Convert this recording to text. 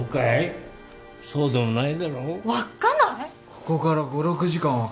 ここから５６時間はかかる。